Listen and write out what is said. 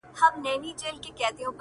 • هم خالق یې هم سلطان یې د وگړو ,